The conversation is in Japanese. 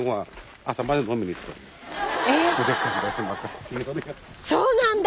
えそうなんだ！